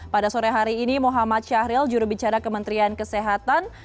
pada sore hari ini muhammad syahril jurubicara kementerian kesehatan